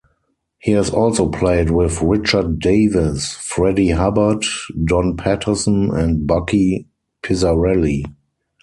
He has also played with Richard Davis, Freddie Hubbard, Don Patterson, and Bucky Pizzarelli.